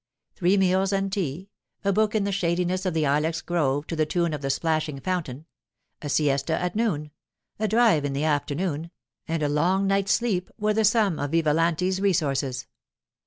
Three meals and tea, a book in the shadiness of the ilex grove to the tune of the splashing fountain, a siesta at noon, a drive in the afternoon, and a long night's sleep were the sum of Vivalanti's resources.